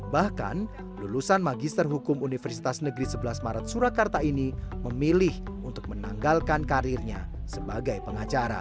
bahkan lulusan magister hukum universitas negeri sebelas maret surakarta ini memilih untuk menanggalkan karirnya sebagai pengacara